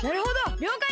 りょうかい！